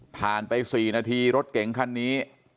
ผ่านไป๔นาทีรถเก่งคันนี้